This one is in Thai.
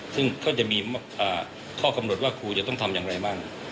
ซึ่งก็จะมีข้อกำหนดว่าครูจะต้องทำอย่างไรบ้าง